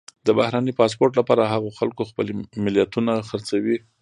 د بهرني پاسپورټ لپاره هغو خلکو خپلې ملیتونه خرڅوي.